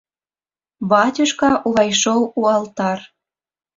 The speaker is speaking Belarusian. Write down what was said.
Бацюшка ўвайшоў у алтар.